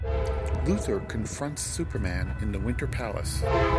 Luthor confronts Superman in the Winter Palace.